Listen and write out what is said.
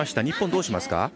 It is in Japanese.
日本、どうしますか？